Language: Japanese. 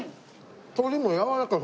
鶏もやわらかい。